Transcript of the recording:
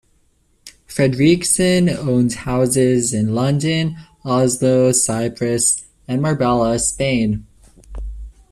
Fredriksen owns houses in London, Oslo, Cyprus, and Marbella, Spain.